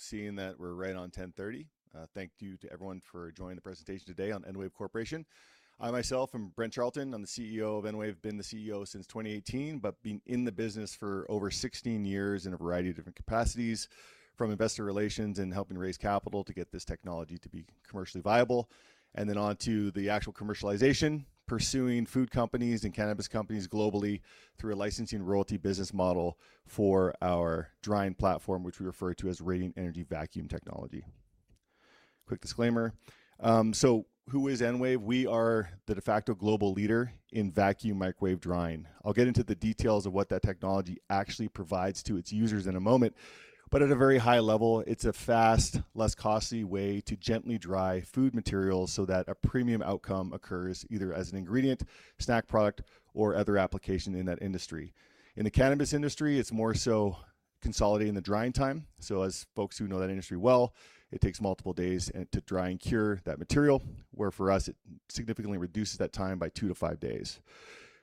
All right. Seeing that we're right on 10:30. Thank you to everyone for joining the presentation today on EnWave Corporation. I myself am Brent Charleton. I'm the CEO of EnWave. Been the CEO since 2018, but been in the business for over 16 years in a variety of different capacities, from investor relations and helping raise capital to get this technology to be commercially viable, and then on to the actual commercialization, pursuing food companies and cannabis companies globally through a licensing royalty business model for our drying platform, which we refer to as Radiant Energy Vacuum technology. Quick disclaimer. Who is EnWave? We are the de facto global leader in vacuum microwave drying. I'll get into the details of what that technology actually provides to its users in a moment, but at a very high level, it's a fast, less costly way to gently dry food materials so that a premium outcome occurs either as an ingredient, snack product, or other application in that industry. In the cannabis industry, it's more so consolidating the drying time. As folks who know that industry well, it takes multiple days to dry and cure that material, where for us, it significantly reduces that time by two to five days.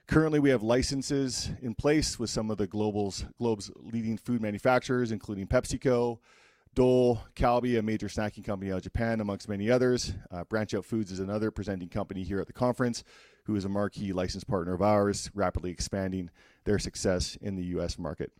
Currently, we have licenses in place with some of the globe's leading food manufacturers, including PepsiCo, Dole, Calbee, a major snacking company out of Japan, amongst many others. BranchOut Foods is another presenting company here at the conference, who is a marquee licensed partner of ours, rapidly expanding their success in the U.S. market.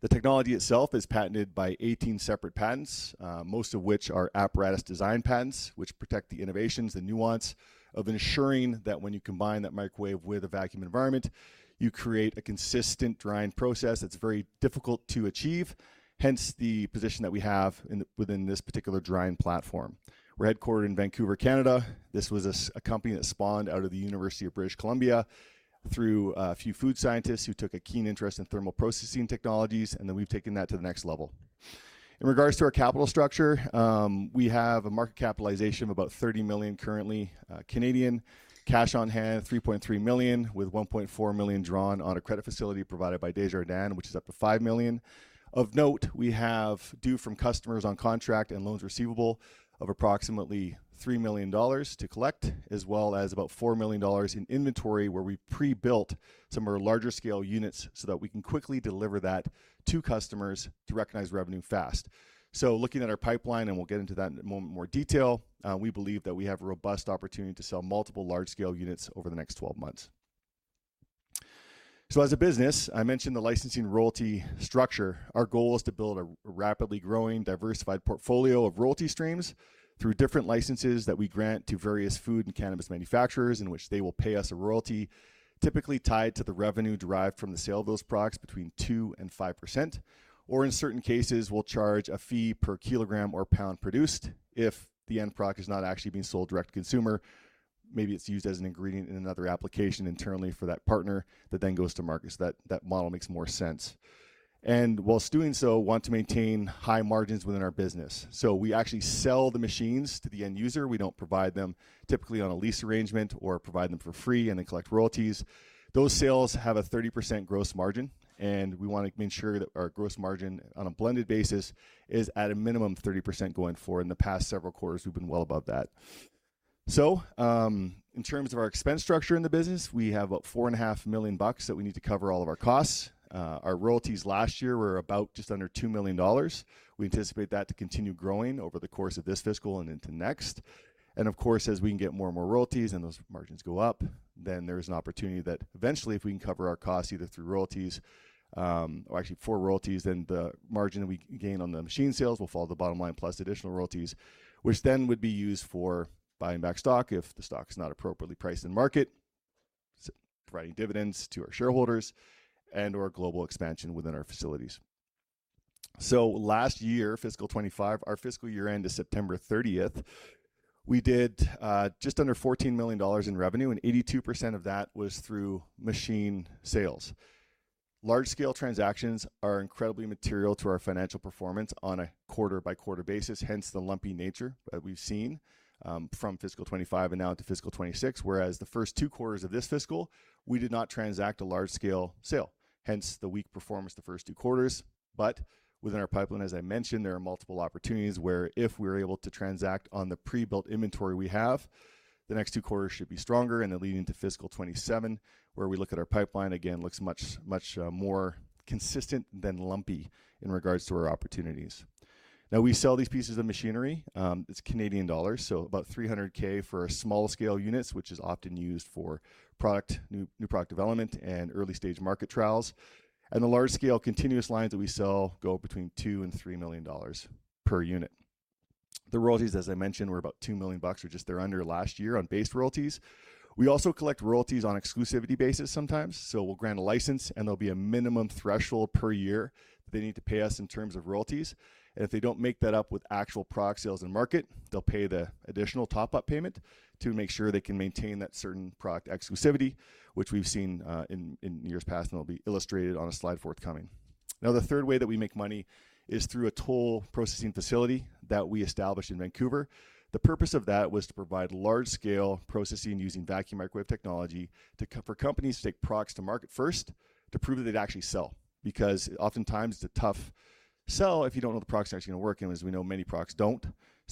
The technology itself is patented by 18 separate patents, most of which are apparatus design patents, which protect the innovations, the nuance of ensuring that when you combine that microwave with a vacuum environment, you create a consistent drying process that's very difficult to achieve, hence the position that we have within this particular drying platform. We're headquartered in Vancouver, Canada. This was a company that spawned out of the University of British Columbia through a few food scientists who took a keen interest in thermal processing technologies, and then we've taken that to the next level. In regards to our capital structure, we have a market capitalization of about 30 million currently, Canadian cash on hand, 3.3 million, with 1.4 million drawn on a credit facility provided by Desjardins, which is up to 5 million. Of note, we have due from customers on contract and loans receivable of approximately 3 million dollars to collect, as well as about 4 million dollars in inventory, where we pre-built some of our larger scale units so that we can quickly deliver that to customers to recognize revenue fast. Looking at our pipeline, and we'll get into that in more detail, we believe that we have a robust opportunity to sell multiple large-scale units over the next 12 months. As a business, I mentioned the licensing royalty structure. Our goal is to build a rapidly growing, diversified portfolio of royalty streams through different licenses that we grant to various food and cannabis manufacturers, in which they will pay us a royalty, typically tied to the revenue derived from the sale of those products between 2%-5%. In certain cases, we'll charge a fee per kilogram or pound produced if the end product is not actually being sold direct to consumer. Maybe it's used as an ingredient in another application internally for that partner that then goes to market, so that model makes more sense. Whilst doing so, want to maintain high margins within our business. We actually sell the machines to the end user. We don't provide them typically on a lease arrangement or provide them for free and then collect royalties. Those sales have a 30% gross margin, and we want to make sure that our gross margin on a blended basis is at a minimum 30% going forward. In the past several quarters, we've been well above that. In terms of our expense structure in the business, we have about 4.5 million bucks that we need to cover all of our costs. Our royalties last year were about just under 2 million dollars. We anticipate that to continue growing over the course of this fiscal and into next. Of course, as we can get more and more royalties and those margins go up, there's an opportunity that eventually if we can cover our costs either through royalties or actually for royalties, the margin that we gain on the machine sales will fall to the bottom line plus additional royalties, which then would be used for buying back stock if the stock is not appropriately priced in market, providing dividends to our shareholders, and/or global expansion within our facilities. Last year, fiscal 2025, our fiscal year end is September 30th. We did just under 14 million dollars in revenue, and 82% of that was through machine sales. Large-scale transactions are incredibly material to our financial performance on a quarter-by-quarter basis, hence the lumpy nature that we've seen, from fiscal 2025 and now to fiscal 2026, whereas the first two quarters of this fiscal, we did not transact a large-scale sale, hence the weak performance the first two quarters. Within our pipeline, as I mentioned, there are multiple opportunities where if we're able to transact on the pre-built inventory we have, the next two quarters should be stronger, and then leading to fiscal 2027, where we look at our pipeline again, looks much more consistent than lumpy in regards to our opportunities. We sell these pieces of machinery. It's Canadian dollars, so about 300K for our smallest scale units, which is often used for new product development and early-stage market trials. The large scale continuous lines that we sell go between 2 million and 3 million dollars per unit. The royalties, as I mentioned, were about 2 million bucks or just under last year on base royalties. We also collect royalties on exclusivity basis sometimes. We'll grant a license, and there'll be a minimum threshold per year that they need to pay us in terms of royalties. If they don't make that up with actual product sales in market, they'll pay the additional top-up payment to make sure they can maintain that certain product exclusivity, which we've seen in years past, and it'll be illustrated on a slide forthcoming. The third way that we make money is through a toll processing facility that we established in Vancouver. The purpose of that was to provide large-scale processing using vacuum microwave technology for companies to take products to market first to prove that they'd actually sell. Oftentimes, it's a tough sell if you don't know the product's actually going to work, and as we know, many products don't.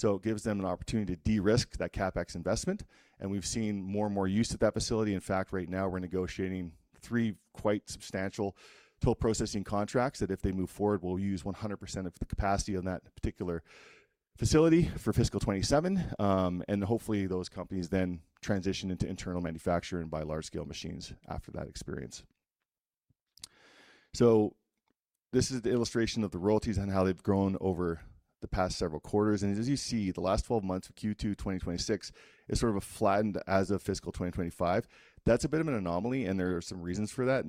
It gives them an opportunity to de-risk that CapEx investment, and we've seen more and more use of that facility. In fact, right now, we're negotiating three quite substantial toll processing contracts that if they move forward, we'll use 100% of the capacity on that particular facility for fiscal 2027, and hopefully those companies then transition into internal manufacturing and buy large-scale machines after that experience. This is the illustration of the royalties and how they've grown over the past several quarters. As you see, the last 12 months of Q2 2026 is sort of flattened as of fiscal 2025. That's a bit of an anomaly, and there are some reasons for that.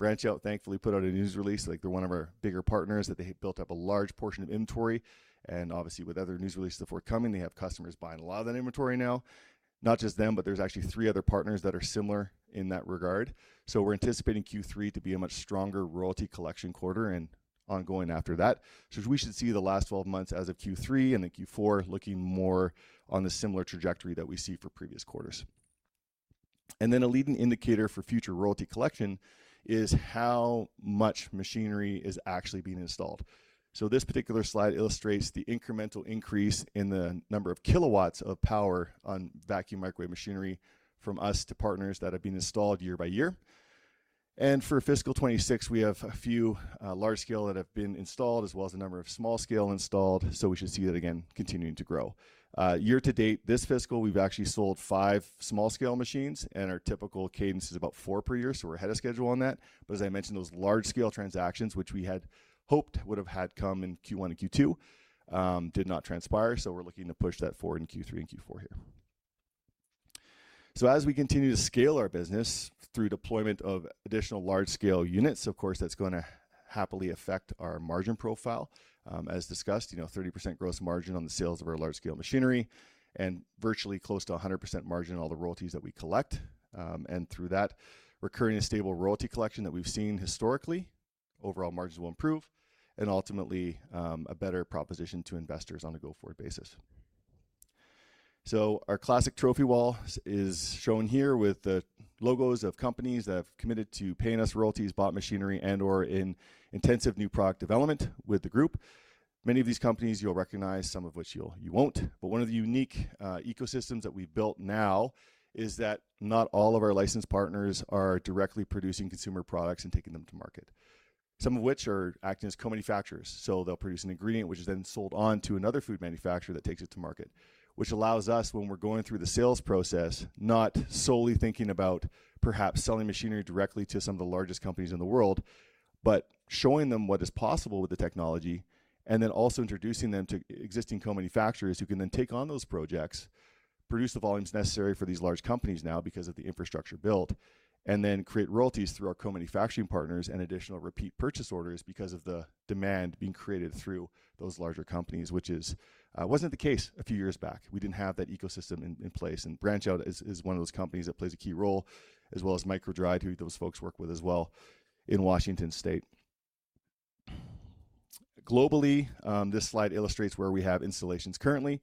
BranchOut, thankfully, put out a news release, they're one of our bigger partners, that they built up a large portion of inventory. Obviously with other news releases forthcoming, they have customers buying a lot of that inventory now. Not just them, but there's actually three other partners that are similar in that regard. We're anticipating Q3 to be a much stronger royalty collection quarter and ongoing after that. We should see the last 12 months as of Q3 and then Q4 looking more on the similar trajectory that we see for previous quarters. Then a leading indicator for future royalty collection is how much machinery is actually being installed. This particular slide illustrates the incremental increase in the number of kilowatts of power on vacuum microwave machinery from us to partners that have been installed year-by-year. For fiscal 2026, we have a few large scale that have been installed as well as a number of small scale installed. We should see that again continuing to grow. Year-to-date, this fiscal, we've actually sold five small scale machines, and our typical cadence is about four per year, so we're ahead of schedule on that. As I mentioned, those large scale transactions, which we had hoped would have had come in Q1 and Q2, did not transpire. We're looking to push that forward in Q3 and Q4 here. As we continue to scale our business through deployment of additional large scale units, of course, that's going to happily affect our margin profile. As discussed, 30% gross margin on the sales of our large scale machinery and virtually close to 100% margin on all the royalties that we collect. Through that recurring and stable royalty collection that we've seen historically, overall margins will improve and ultimately, a better proposition to investors on a go-forward basis. Our classic trophy wall is shown here with the logos of companies that have committed to paying us royalties, bought machinery, and/or in intensive new product development with the group. Many of these companies you'll recognize, some of which you won't. One of the unique ecosystems that we've built now is that not all of our licensed partners are directly producing consumer products and taking them to market. Some of which are acting as co-manufacturers. They'll produce an ingredient which is then sold on to another food manufacturer that takes it to market. Which allows us, when we're going through the sales process, not solely thinking about perhaps selling machinery directly to some of the largest companies in the world, but showing them what is possible with the technology, and then also introducing them to existing co-manufacturers who can then take on those projects, produce the volumes necessary for these large companies now because of the infrastructure built, and then create royalties through our co-manufacturing partners and additional repeat purchase orders because of the demand being created through those larger companies, which wasn't the case a few years back. We didn't have that ecosystem in place, and BranchOut is one of those companies that plays a key role, as well as MicroDried, who those folks work with as well in Washington State. Globally, this slide illustrates where we have installations currently.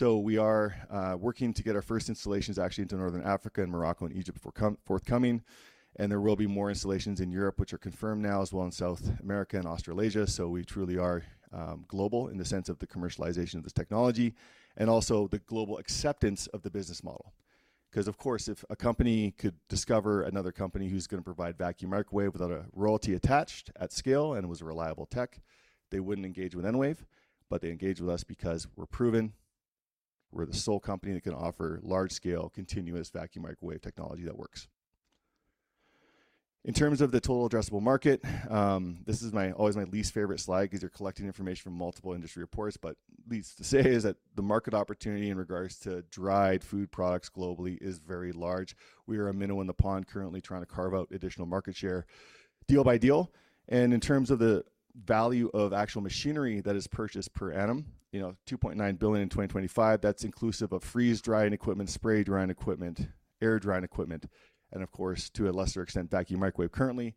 We are working to get our first installations actually into Northern Africa and Morocco and Egypt forthcoming, and there will be more installations in Europe, which are confirmed now as well in South America and Australasia. We truly are global in the sense of the commercialization of this technology and also the global acceptance of the business model. Because of course if a company could discover another company who's going to provide vacuum microwave without a royalty attached at scale and was a reliable tech, they wouldn't engage with EnWave, but they engage with us because we're proven, we're the sole company that can offer large scale continuous vacuum microwave technology that works. In terms of the total addressable market, this is always my least favorite slide because you're collecting information from multiple industry reports. Least to say is that the market opportunity in regards to dried food products globally is very large. We are a minnow in the pond currently trying to carve out additional market share deal by deal. In terms of the value of actual machinery that is purchased per annum, 2.9 billion in 2025. That's inclusive of freeze-drying equipment, spray-drying equipment, air-drying equipment, and of course, to a lesser extent, vacuum microwave currently.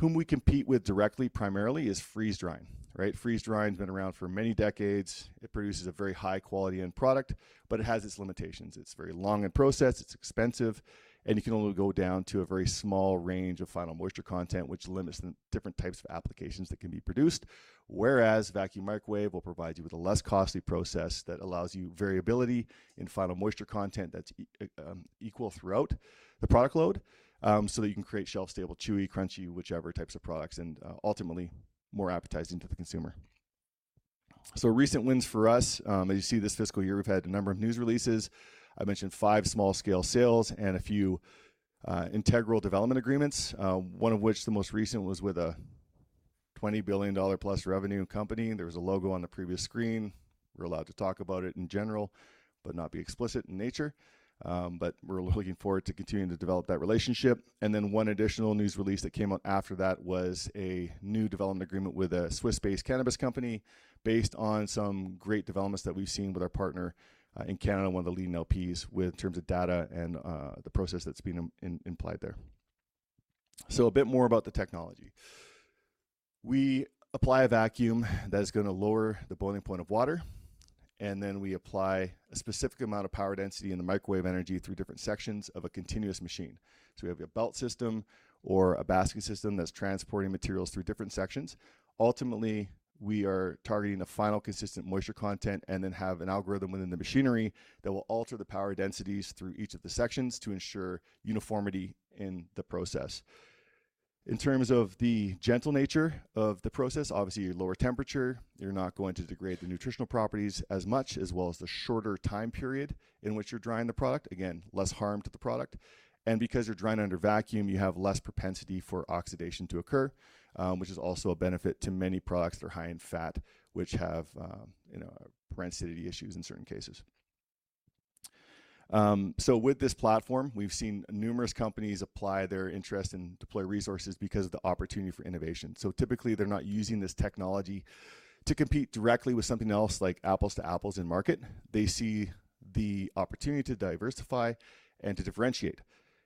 Whom we compete with directly primarily is freeze-drying. Freeze-drying's been around for many decades. It produces a very high quality end product, but it has its limitations. It's very long in process, it's expensive, and you can only go down to a very small range of final moisture content, which limits the different types of applications that can be produced. Vacuum microwave will provide you with a less costly process that allows you variability in final moisture content that's equal throughout the product load, so that you can create shelf-stable, chewy, crunchy, whichever types of products, and ultimately more appetizing to the consumer. Recent wins for us. As you see this fiscal year, we've had a number of news releases. I mentioned five small scale sales and a few integral development agreements, one of which the most recent was with a 20 billion dollar+ revenue company. There was a logo on the previous screen. We're allowed to talk about it in general but not be explicit in nature. But we're looking forward to continuing to develop that relationship. One additional news release that came out after that was a new development agreement with a Swiss-based cannabis company based on some great developments that we've seen with our partner in Canada, one of the leading LPs, in terms of data and the process that has been implied there. A bit more about the technology. We apply a vacuum that is going to lower the boiling point of water, then we apply a specific amount of power density in the microwave energy through different sections of a continuous machine. We have a belt system or a basket system that is transporting materials through different sections. Ultimately, we are targeting a final consistent moisture content and then have an algorithm within the machinery that will alter the power densities through each of the sections to ensure uniformity in the process. In terms of the gentle nature of the process, obviously, you lower temperature, you're not going to degrade the nutritional properties as much, as well as the shorter time period in which you're drying the product. Again, less harm to the product. Because you're drying under vacuum, you have less propensity for oxidation to occur, which is also a benefit to many products that are high in fat, which have rancidity issues in certain cases. With this platform, we've seen numerous companies apply their interest and deploy resources because of the opportunity for innovation. Typically, they're not using this technology to compete directly with something else, like apples to apples in market. They see the opportunity to diversify and to differentiate.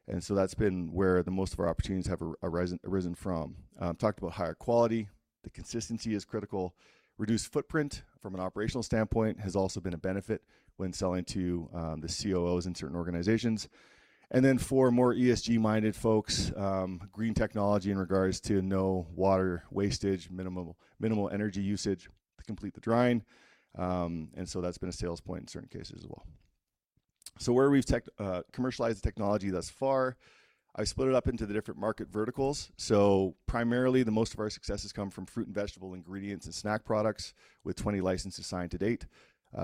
That's been where the most of our opportunities have arisen from. Talked about higher quality, the consistency is critical, reduced footprint from an operational standpoint has also been a benefit when selling to the COOs in certain organizations. For more ESG-minded folks, green technology in regards to no water wastage, minimal energy usage to complete the drying. That's been a sales point in certain cases as well. Where we've commercialized the technology thus far, I split it up into the different market verticals. Primarily, the most of our successes come from fruit and vegetable ingredients and snack products with 20 licenses signed to date,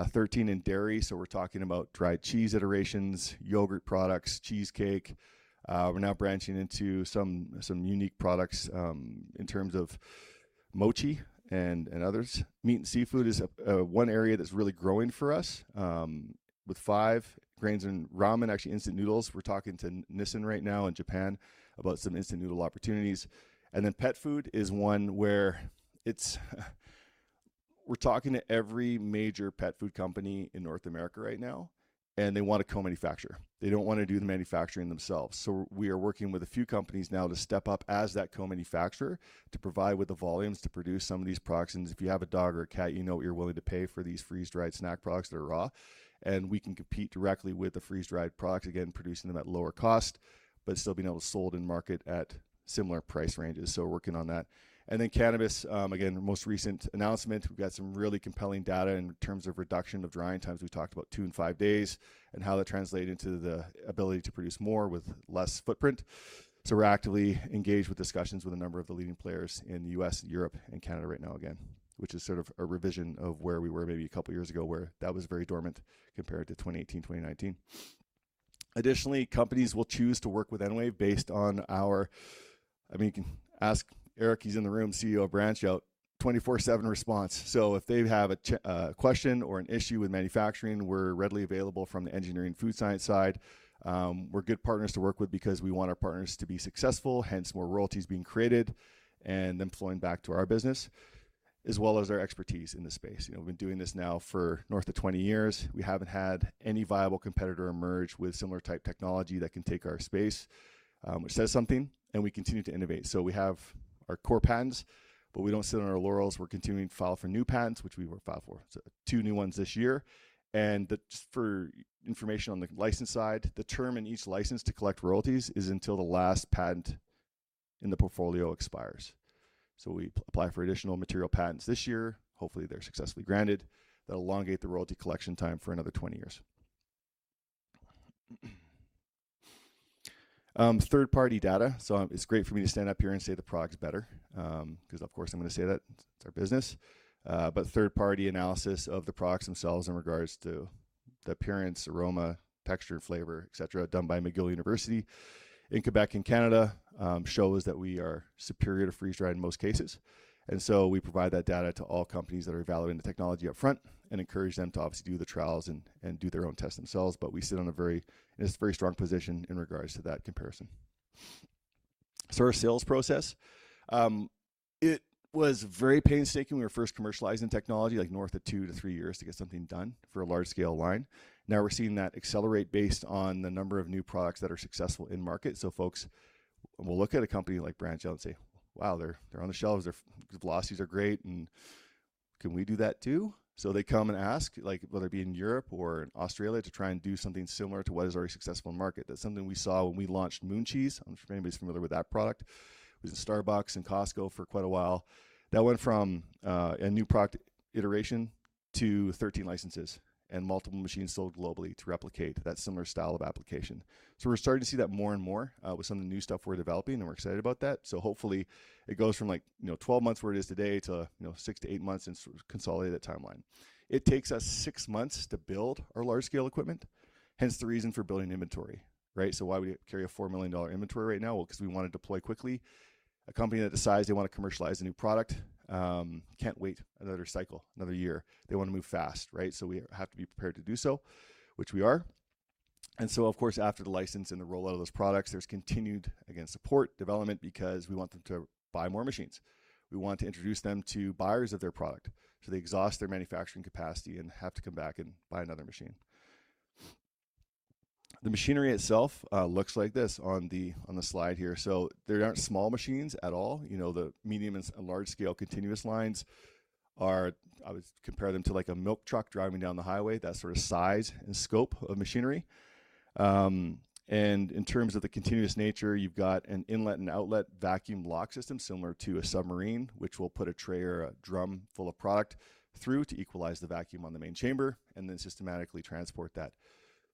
13 in dairy. We're talking about dried cheese iterations, yogurt products, cheesecake. We're now branching into some unique products in terms of mochi and others. Meat and seafood is one area that's really growing for us, with five grains and ramen, actually instant noodles. We're talking to Nissin right now in Japan about some instant noodle opportunities. Pet food is one where we're talking to every major pet food company in North America right now, and they want to co-manufacture. They don't want to do the manufacturing themselves. We are working with a few companies now to step up as that co-manufacturer to provide with the volumes to produce some of these products. If you have a dog or a cat, you know what you're willing to pay for these freeze-dried snack products that are raw. We can compete directly with the freeze-dried products, again, producing them at lower cost, but still being able to sold in market at similar price ranges. We're working on that. Cannabis, again, most recent announcement, we've got some really compelling data in terms of reduction of drying times. We talked about two and five days, and how that translated into the ability to produce more with less footprint. We're actively engaged with discussions with a number of the leading players in the U.S., Europe, and Canada right now again, which is sort of a revision of where we were maybe a couple of years ago, where that was very dormant compared to 2018, 2019. Additionally, companies will choose to work with EnWave based on our, you can ask Eric, he's in the room, CEO of BranchOut, 24/7 response. If they have a question or an issue with manufacturing, we're readily available from the engineering food science side. We're good partners to work with because we want our partners to be successful, hence more royalties being created and then flowing back to our business, as well as our expertise in the space. We've been doing this now for north of 20 years. We haven't had any viable competitor emerge with similar type technology that can take our space, which says something, and we continue to innovate. We have our core patents, but we don't sit on our laurels. We're continuing to file for new patents, which we will file for two new ones this year. For information on the license side, the term in each license to collect royalties is until the last patent in the portfolio expires. We apply for additional material patents this year. Hopefully, they're successfully granted. That'll elongate the royalty collection time for another 20 years. Third-party data. It's great for me to stand up here and say the product's better, because of course I'm going to say that, it's our business. But third-party analysis of the products themselves in regards to the appearance, aroma, texture, flavor, et cetera, done by McGill University in Quebec, Canada, shows that we are superior to freeze-dried in most cases. We provide that data to all companies that are evaluating the technology up front and encourage them to obviously do the trials and do their own tests themselves, but we sit in a very strong position in regards to that comparison. Our sales process. It was very painstaking when we were first commercializing technology, like north of two to three years to get something done for a large-scale line. We're seeing that accelerate based on the number of new products that are successful in market. Folks will look at a company like BranchOut and say, "Wow, they're on the shelves, their velocities are great, and can we do that too?" They come and ask, whether it be in Europe or in Australia, to try and do something similar to what is already successful in market. That's something we saw when we launched Moon Cheese. I'm not sure if anybody's familiar with that product. It was in Starbucks and Costco for quite a while. That went from a new product iteration to 13 licenses and multiple machines sold globally to replicate that similar style of application. We're starting to see that more and more with some of the new stuff we're developing, and we're excited about that. Hopefully it goes from 12 months where it is today to six to eight months and consolidate that timeline. It takes us six months to build our large-scale equipment, hence the reason for building inventory. Right? Why we carry a 4 million dollar inventory right now? Well, because we want to deploy quickly. A company that decides they want to commercialize a new product can't wait another cycle, another year. They want to move fast, right? We have to be prepared to do so, which we are. Of course, after the license and the rollout of those products, there's continued, again, support, development, because we want them to buy more machines. We want to introduce them to buyers of their product, so they exhaust their manufacturing capacity and have to come back and buy another machine. The machinery itself looks like this on the slide here. They aren't small machines at all. The medium and large-scale continuous lines are, I would compare them to a milk truck driving down the highway, that sort of size and scope of machinery. In terms of the continuous nature, you've got an inlet and outlet vacuum lock system similar to a submarine, which will put a tray or a drum full of product through to equalize the vacuum on the main chamber, and then systematically transport that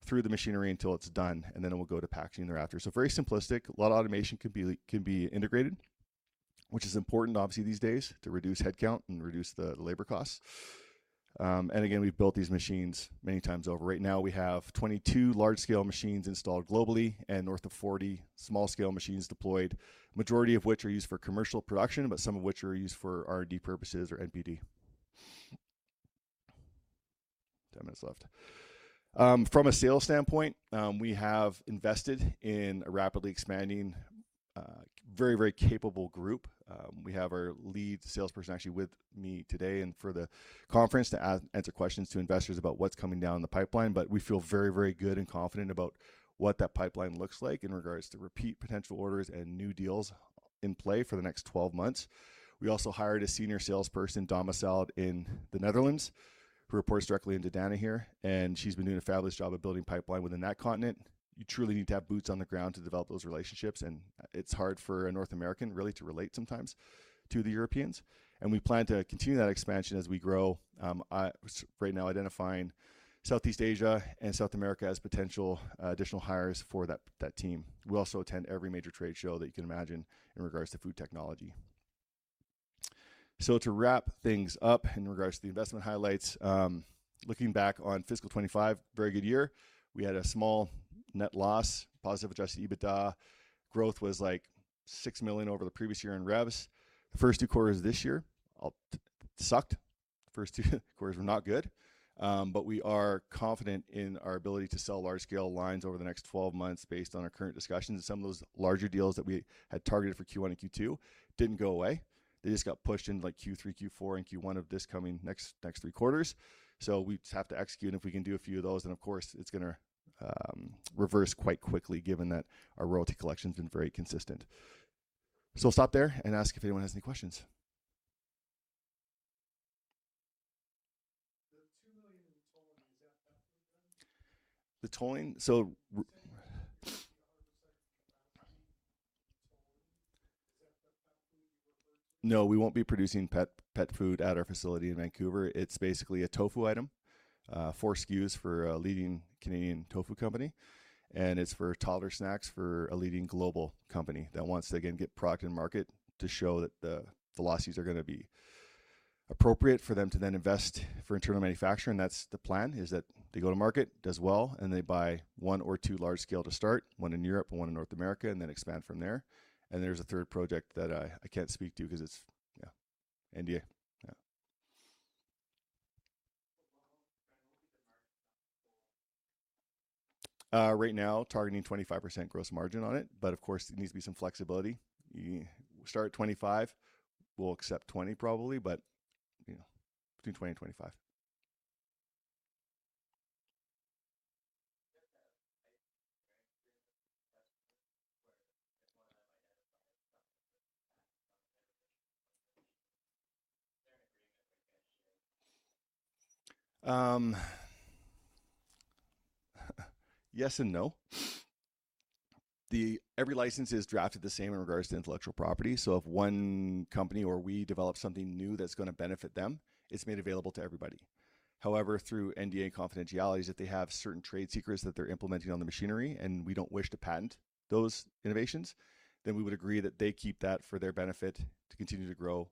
through the machinery until it's done, and then it will go to packaging thereafter. Very simplistic. A lot of automation can be integrated which is important, obviously, these days to reduce headcount and reduce the labor costs. Again, we've built these machines many times over. Right now, we have 22 large-scale machines installed globally and north of 40 small-scale machines deployed, majority of which are used for commercial production, but some of which are used for R&D purposes or NPD. 10 minutes left. From a sales standpoint, we have invested in a rapidly expanding, very capable group. We have our lead salesperson actually with me today and for the conference to answer questions to investors about what's coming down the pipeline. We feel very good and confident about what that pipeline looks like in regards to repeat potential orders and new deals in play for the next 12 months. We also hired a senior salesperson domiciled in the Netherlands, who reports directly into Danna here, and she's been doing a fabulous job of building pipeline within that continent. You truly need to have boots on the ground to develop those relationships, and it's hard for a North American really to relate sometimes to the Europeans. We plan to continue that expansion as we grow. Right now identifying Southeast Asia and South America as potential additional hires for that team. We also attend every major trade show that you can imagine in regards to food technology. To wrap things up in regards to the investment highlights, looking back on fiscal 2025, very good year. We had a small net loss, positive adjusted EBITDA. Growth was like 6 million over the previous year in revs. The first two quarters this year sucked. First two quarters were not good. We are confident in our ability to sell large-scale lines over the next 12 months based on our current discussions, and some of those larger deals that we had targeted for Q1 and Q2 didn't go away. They just got pushed into Q3, Q4, and Q1 of this coming next three quarters. We just have to execute, and if we can do a few of those, of course, it's going to reverse quite quickly given that our royalty collection's been very consistent. I'll stop there and ask if anyone has any questions. The 2 million in tolling, is that pet food? The tolling? You're saying 100% capacity tolling. Is that the pet food you were referring to? No, we won't be producing pet food at our facility in Vancouver. It's basically a tofu item, four SKUs for a leading Canadian tofu company, and it's for toddler snacks for a leading global company that wants to, again, get product to market to show that the philosophies are going to be appropriate for them to then invest for internal manufacturing. That's the plan, is that they go to market, does well, and they buy one or two large-scale to start, one in Europe and one in North America, and then expand from there. There's a third project that I can't speak to because it's NDA. Yeah. What will be the margin on the toll? Right now, targeting 25% gross margin on it. Of course, there needs to be some flexibility. Start at 25%, we'll accept 20% probably, but between 20% and 25%. I'm very curious if one of them identifies something that's patentable, is there an agreement they can't share? Yes and no. Every license is drafted the same in regards to intellectual property. If one company or we develop something new that's going to benefit them, it's made available to everybody. However, through NDA confidentialities, if they have certain trade secrets that they're implementing on the machinery and we don't wish to patent those innovations, then we would agree that they keep that for their benefit to continue to grow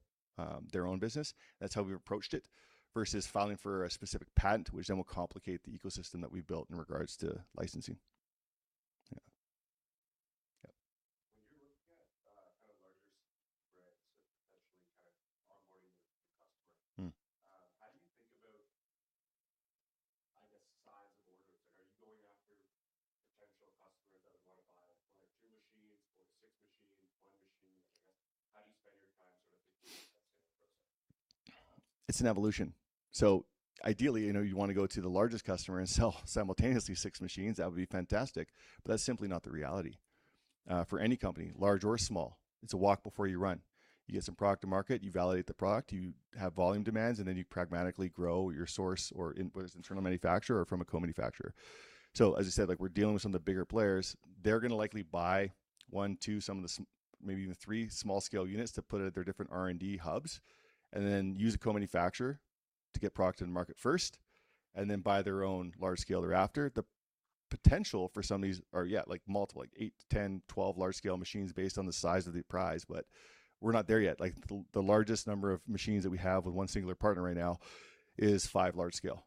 their own business. That's how we approached it, versus filing for a specific patent, which will complicate the ecosystem that we've built in regards to licensing. use a co-manufacturer to get product to the market first, buy their own large scale thereafter. The potential for some of these are, yeah, multiple, like eight to 10, 12 large-scale machines based on the size of the prize, we're not there yet. The largest number of machines that we have with one singular partner right now is five large scale.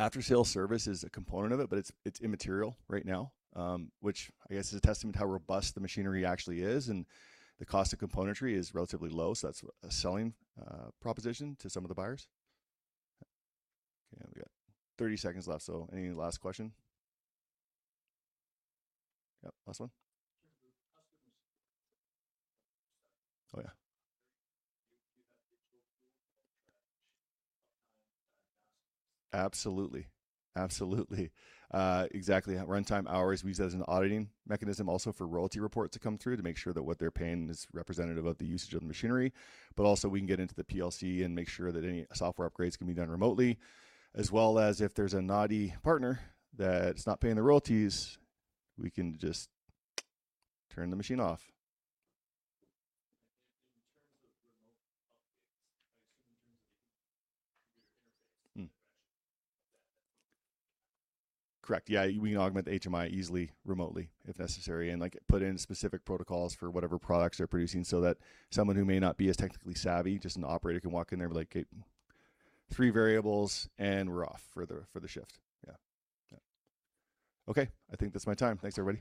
Is there any potential, like future revenue stream on, say, upgrade, repair and upgrade on machines or anything of that nature? After-sale service is a component of it, but it's immaterial right now, which I guess is a testament to how robust the machinery actually is and the cost of componentry is relatively low, so that's a selling proposition to some of the buyers. Okay, we got 30 seconds left, so any last question? Yep, last one. In terms of customers- Oh, yeah. Do you have the tool for uptime and tasks? Absolutely. Exactly. Runtime hours we use as an auditing mechanism also for royalty report to come through to make sure that what they're paying is representative of the usage of the machinery. Also, we can get into the PLC and make sure that any software upgrades can be done remotely, as well as if there's a naughty partner that's not paying the royalties, we can just turn the machine off. In terms of remote updates, I assume in terms of the computer interface interaction. Correct. Yeah. We can augment the HMI easily, remotely if necessary, and put in specific protocols for whatever products they're producing so that someone who may not be as technically savvy, just an operator, can walk in there and be like, "Okay, three variables, and we're off for the shift." Yeah. Okay, I think that's my time. Thanks, everybody.